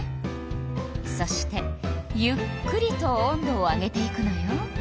そしてゆっくりと温度を上げていくのよ。